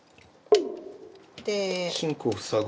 シンクを塞ぐ？